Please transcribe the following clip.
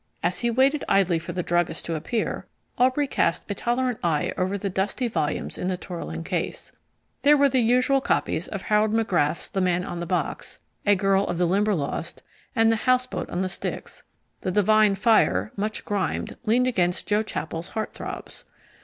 As he waited idly for the druggist to appear, Aubrey cast a tolerant eye over the dusty volumes in the twirling case. There were the usual copies of Harold MacGrath's The Man on the Box, A Girl of the Limberlost, and The Houseboat on the Styx. The Divine Fire, much grimed, leaned against Joe Chapple's Heart Throbs.